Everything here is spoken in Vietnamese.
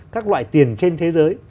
các loại tiền trên thế giới